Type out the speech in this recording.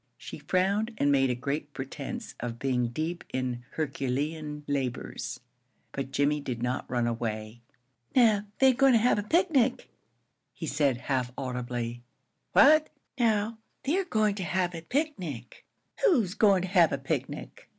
She frowned and made a grand pretence of being deep in herculean labors; but Jimmie did not run away. "Now they're goin' to have a picnic," he said, half audibly. "What?" "Now they're goin' to have a picnic." "Who's goin' to have a picnic?"